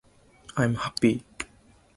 i'm happy